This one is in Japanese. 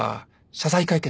謝罪会見？